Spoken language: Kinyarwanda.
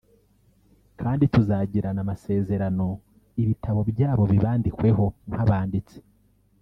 kandi tuzagirana amasezerano ibitabo byabo bibandikweho nk’abanditsi